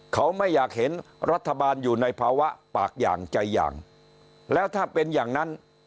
เขาไม่อยากเห็นรัฐบาลอยู่ในภาวะปากอย่างใจอย่างแล้วถ้าเป็นอย่างนั้น